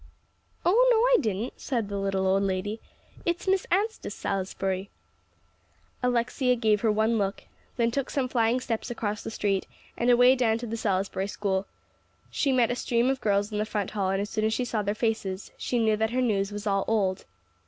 "Oh, no, I didn't," said the little old lady. "It's Miss Anstice Salisbury." Alexia gave her one look; then took some flying steps across the street, and away down to the Salisbury School. She met a stream of girls in the front hall; and as soon as she saw their faces, she knew that her news was all old.